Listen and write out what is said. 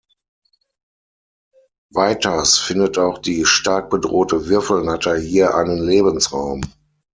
Weiters findet auch die stark bedrohte Würfelnatter hier einen Lebensraum.